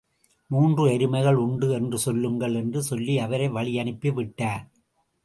மூன்று எருமைகள் உண்டு என்று சொல்லுங்கள் என்று சொல்லி அவரை வழியனுப்பி விட்டார்.